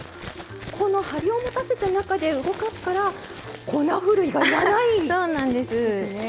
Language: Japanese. このはりをもたせた中で動かすから粉ふるいが要らないんですね。